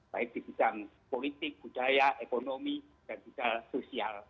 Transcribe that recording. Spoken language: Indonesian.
baik di bidang politik budaya ekonomi dan juga sosial